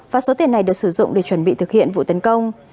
và số tiền này được sử dụng để chuẩn bị thực hiện vụ tấn công